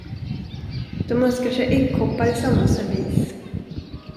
De önskar sig äggkoppar i samma servis.